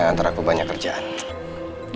nanti aku banyak kerjaan